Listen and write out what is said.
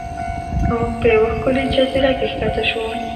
موږ په یوه ښکلې جزیره کې ښکته شو.